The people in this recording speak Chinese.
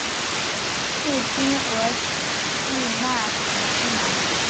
治今额济纳旗西南。